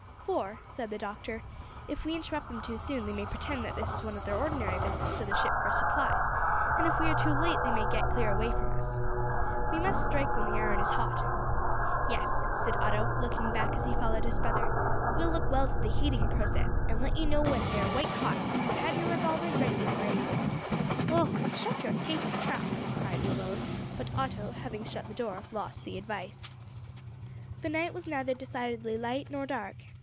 "For," said the doctor, "if we interrupt them too soon they may pretend that this is one of their ordinary visits to the ship for supplies, and if we are too late they may get clear away in spite of us. We must strike when the iron is hot." "Yes," said Otto, looking back as he followed his brother, "we'll look well to the heating process and let you know when they're white hot, so have your revolvers ready, my braves!" "Och! shut your tatie trap," cried Malone, but Otto, having shut the door, lost the advice. The night was neither decidedly light nor dark.